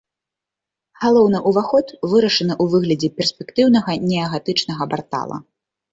Галоўны ўваход вырашаны ў выглядзе перспектыўнага неагатычнага партала.